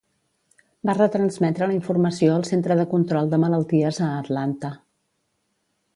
Va retransmetre la informació al Centre de Control de Malalties a Atlanta.